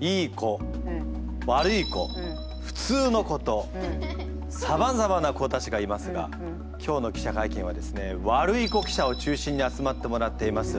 いい子悪い子普通の子とさまざまな子たちがいますが今日の記者会見はですねワルイコ記者を中心に集まってもらっています。